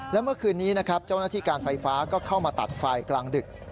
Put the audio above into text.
และเมื่อคืนนี้นะครับเจ้าหน้าที่การไฟฟ้าก็เข้ามาตัดไฟกลางดึก